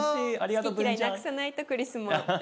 好き嫌いなくさないとクリスも。